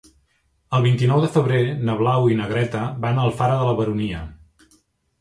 El vint-i-nou de febrer na Blau i na Greta van a Alfara de la Baronia.